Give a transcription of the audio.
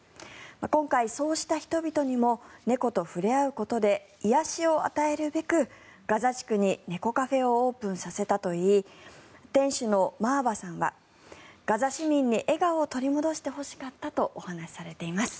今回、そうした人々にも猫と触れ合うことで癒やしを与えるべくガザ地区に猫カフェをオープンさせたといい店主のマアバさんはガザ市民に笑顔を取り戻してほしかったとお話しされています。